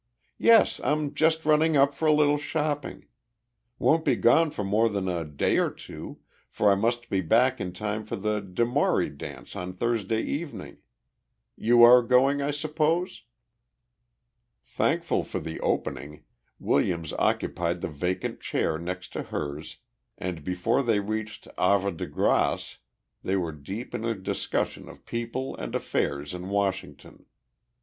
Yes, I'm just running up for a little shopping. Won't be gone for more than a day or two, for I must be back in time for the de Maury dance on Thursday evening. You are going, I suppose?" Thankful for the opening, Williams occupied the vacant chair next to hers, and before they reached Havre de Grace they were deep in a discussion of people and affairs in Washington.